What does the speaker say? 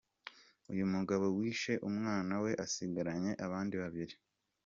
Uyu mugabo wishe umwana we asigaranye abandi babiri.